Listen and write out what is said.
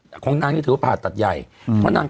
หัวขึ้นไปเอง